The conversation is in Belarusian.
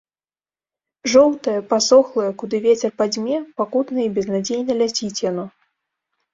Жоўтае, пасохлае, куды вецер падзьме, пакутна і безнадзейна ляціць яно.